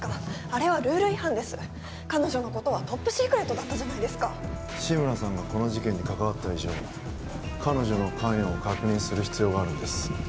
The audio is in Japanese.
あれはルール違反です彼女のことはトップシークレットだったじゃないですか志村さんがこの事件に関わった以上彼女の関与を確認する必要があるんです